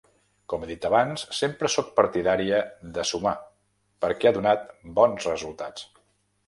Com he dit abans, sempre sóc partidària de sumar, perquè ha donat bons resultats.